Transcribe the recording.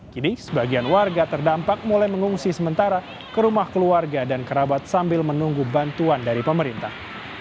kini sebagian warga terdampak mulai mengungsi sementara ke rumah keluarga dan kerabat sambil menunggu bantuan dari pemerintah